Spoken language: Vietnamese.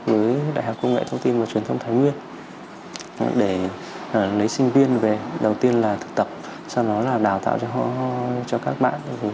với đại học công nghệ thông tin và truyền thông thái nguyên để lấy sinh viên về đầu tiên là thực tập sau đó là đào tạo cho các bạn